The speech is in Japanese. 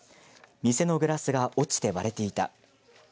店のグラスが落ちて割れていた。